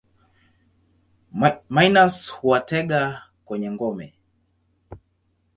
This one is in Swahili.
Minus huwatega kwenye ngome.